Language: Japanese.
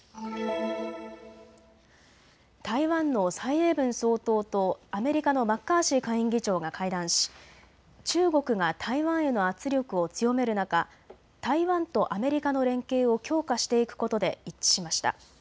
台湾の蔡英文総統とアメリカのマッカーシー下院議長が会談し中国が台湾への圧力を強める中、台湾とアメリカの連携を強化していくことで一致しました。